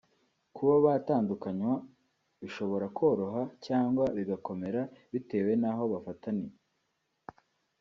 Kuba batandukanywa bishobora koroha cyangwa bigakomera bitewe n’aho bafataniye